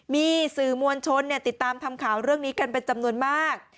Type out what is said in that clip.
มีสื่อมวลชนติดตามทำข่าวเรื่องนี้กันเป็นจำนวนมาก